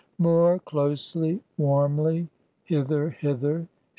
More closely, warmly: hither, hither!